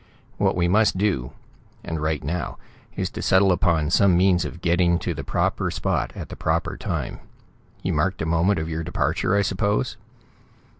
"What we must do, and right now, is to settle upon some means of getting to the proper spot at the proper time. You marked the moment of your departure, I suppose?"